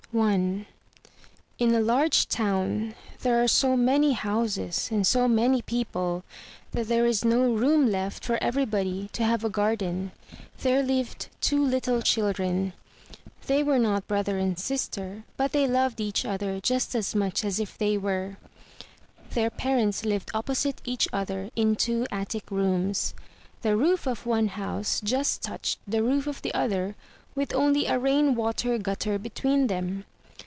I In a large town, where there are so many houses and so many 303 MY BOOK HOUSE people that there is no room left for everybody to have a gar den, there lived two little children. They were not brother and sister, but they loved each other just as much as if they were. Their parents lived opposite each other in two attic rooms. The roof of one house just touched the roof of the other with only a rain water gutter between them.